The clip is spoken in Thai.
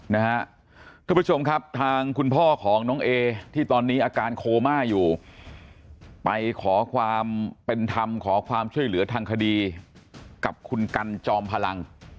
ท่านผู้ชมครับทางคุณพ่อของน้องเอที่ตอนนี้อาการโคม่าอยู่ไปขอความเป็นธรรมขอความช่วยเหลือทางคดีกับคุณกันจอมพลัง